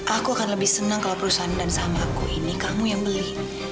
aku akan lebih senang kalau perusahaan dan saham aku ini kamu yang beli